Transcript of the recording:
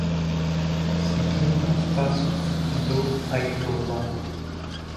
Seguindo os passos do Aiatolá